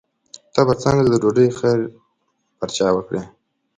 ته به څنګه د ډوډۍ خیر پر چا وکړې.